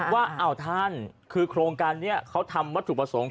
ว่าอ้าวท่านคือโครงการนี้เขาทำวัตถุประสงค์